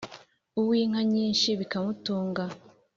uw’inka nyinshi bikamutunga